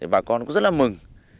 bà con cũng rất là mừng